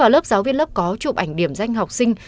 lớp giáo viên lớp có chụp ảnh điểm danh học sinh